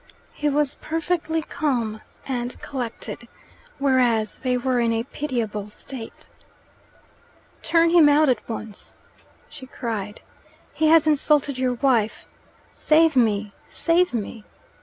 He was perfectly calm and collected, whereas they were in a pitiable state. "Turn him out at once!" she cried. "He has insulted your wife. Save me, save me!"